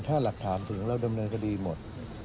ถ้าหลักฐานถึงเราดำเนินคดีหมด